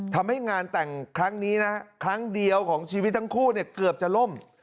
ทำให้งานแต่งครั้งนี้นะฮะครั้งเดียวของชีวิตทั้งคู่เนี่ยเกือบจะล่ม